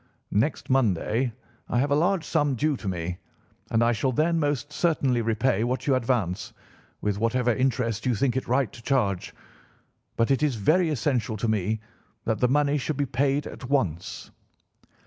"'Next Monday I have a large sum due to me, and I shall then most certainly repay what you advance, with whatever interest you think it right to charge. But it is very essential to me that the money should be paid at once.